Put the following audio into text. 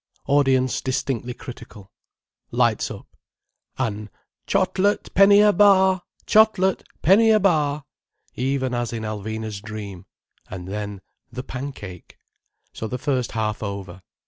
Audience distinctly critical. Lights up—an "Chot let, penny a bar! Chot let, penny a bar!" even as in Alvina's dream—and then "The Pancake"—so the first half over.